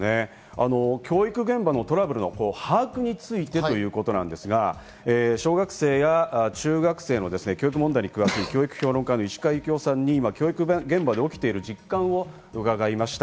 教育現場のトラブルの把握についてですが、小学生や中学生の教育問題に詳しい教育評論家の石川幸夫さんに今、教育現場で起きている実態を聞きました。